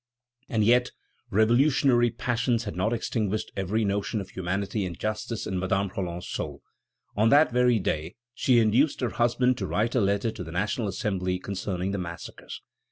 And yet, revolutionary passions had not extinguished every notion of humanity and justice in Madame Roland's soul. On that very day she induced her husband to write a letter to the National Assembly concerning the massacres.